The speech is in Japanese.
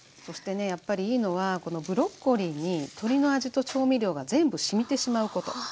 そしてねやっぱりいいのはこのブロッコリーに鶏の味と調味料が全部しみてしまうこと。